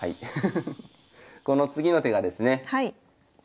この次の手がですね